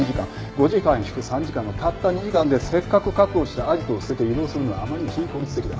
５時間引く３時間のたった２時間でせっかく確保したアジトを捨てて移動するのはあまりに非効率的だ。